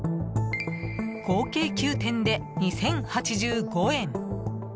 合計９点で２０８５円。